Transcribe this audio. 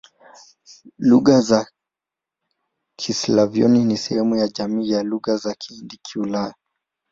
Lugha za Kislavoni ni sehemu ya jamii ya Lugha za Kihindi-Kiulaya.